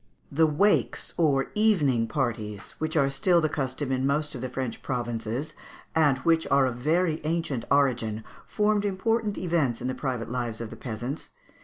The "wakes," or evening parties, which are still the custom in most of the French provinces, and which are of very ancient origin, formed important events in the private lives of the peasants.